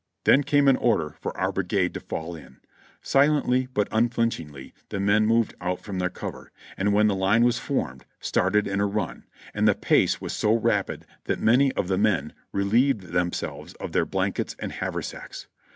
Then came an order for our brigade to fall in ; silently but unflinchingly the men moved out from their cover, and when the line was formed, started in a run, and the pace was so rapid that many of the men relieved themselves of their blankets and haversacks.